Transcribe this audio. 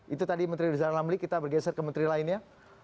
itu tadi menteri rizal ramli kita bergeser ke menteri lainnya